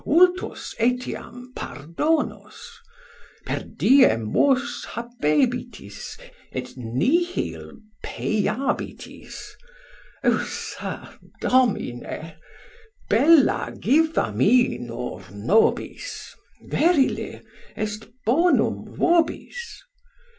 Vultis etiam pardonos? Per diem vos habebitis, et nihil payabitis. O, sir, Domine, bellagivaminor nobis; verily, est bonum vobis.